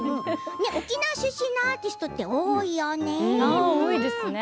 沖縄出身のアーティストって多いよね。